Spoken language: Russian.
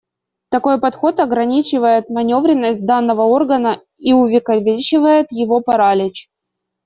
Такой подход ограничивает манёвренность данного органа и увековечивает его паралич.